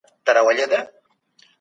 که دواړي يو وخت راوستل سوي وې.